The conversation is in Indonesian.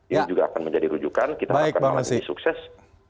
ini juga akan menjadi rujukan kita akan melalui sukses